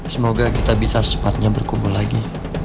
semoga kita bisa secepatnya berkumpul lagi